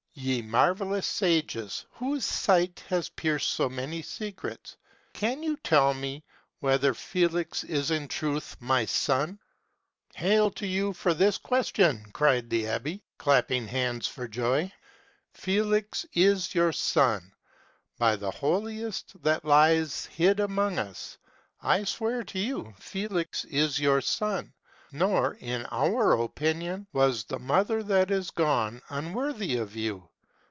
Ye marvellous sages, whose sight has pierced so many secrets, can you tell me whether Felix is in truth my son ?''" Hail to you for this question !" cried the abb┬Ż, clapping hands for joy. " Felix is your son ! By the holiest that lies hid among us, I swear to you Felix is your son ; nor, in our opinion, was the mother that is gone unworthy of you.